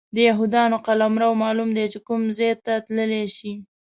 د یهودانو قلمرو معلوم دی چې کوم ځای ته تللی شي.